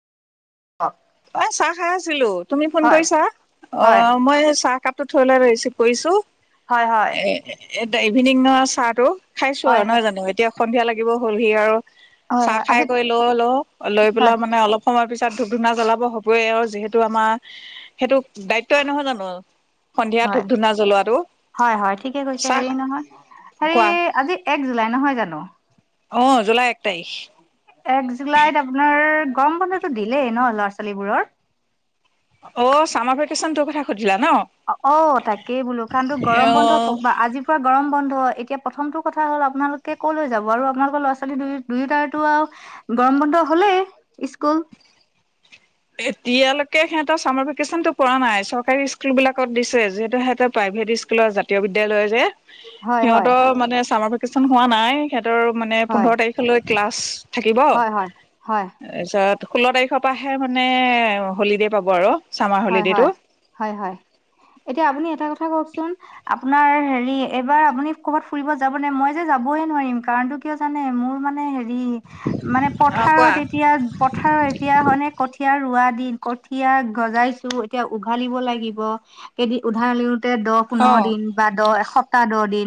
অ অ' চাহ খাহ আছিলো তুমি ফোন হয় কৰিছা হয় অ' মই চাহাপ। থলা ৰে ৰিছিফ কৰিছো। হয়-হয়, এতি ইভিনিং ন চাহ টো খাইছো হয় আৰু হয় নহয় জানো এতিয়া সন্ধিয়া লাগিব হলহি আৰু। হয় চাহ হয় খাই আজি কৰি লৈ হ'লেও লৈ হয় পেলাই মানে অলপ সময় পিছত ধূপ ধুনা জ্বলাব। হ'ব আৰু যিহেতু আমাৰ সেইটো দায়িত্বই নহয় জানো। সন্ধিয়া ধূপ ধুনা জলোৱাত হয়-হয় ঠিকে কৈছে হেৰি নহয় হেৰি কোৱা আজি এক জুলাই নহয় জানো। অহ জুলাই এক তাৰিখ। এক জুলাইত আপোনাৰ গৰম বন্ধুতো দিলেই ন ল'ৰা ছোৱালীবোৰৰ। অ' চামাৰ ভেকেচন তোৰ কথা সুধ। অ' তাকেই বোলো কাৰণ তো গৰম বন্ধ অ আজি পৰা গৰম বন্ধ। এতিয়া প্ৰথমতটো কথা হ'ল আপোনালোকে ক'লৈ যাব আৰু আপোনালোকৰ ল'ৰা ছোৱালী দু দুয়োটাৰো আৰু গৰম। সম্বন্ধ হ'লে স্কুল। এতিয়ালৈকে সে চাৰ ভেকেচনটো পৰা নাই চৰকাৰী স্কুল বিলাকত দিছে যিহেতু সিহঁতে প্ৰাইভেট স্কুলৰ জাতীয় বিদ্যালয়ৰ যে হয় হয় সিহঁতৰ মানে চামাৰ ভেকেচন হোৱা নাই সিহঁতৰ মানে হয় পোন্ধৰ তাৰিখলৈ ক্লাছ। থাকিব হয় হয় হয় তাৰপিছত ষোল্ল তাৰিখৰ পৰাহে মানে হলিডে' পাব আৰু। চামাৰ হলিডেটো হয়-হয়-হয়-হয় এতিয়া আপুনি এটা কথা কওকচোন। আপোনাৰ হেৰি এইবাৰ আপুনি কৰ'বাত ফুৰিব যাব নাই মই যে যাবহে নোৱাৰিম কাৰণো কিয় জানে। মোৰ মানে হেৰি মানে অ কোৱা পথাৰত এতিয়া পথাৰত এতিয়া হয়ে। কঠীয়া ৰোৱা দিন কঠিয়া গজাইছো এতিয়া উঘালিব লাগিব কেইদিন উঘালিও। তে দহ পোন্ধৰ অ দিন বা দহ এসপ্তাহ দহ দিন।